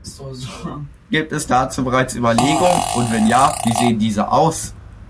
Gibt es dazu bereits Überlegungen, und wenn ja, wie sehen diese aus?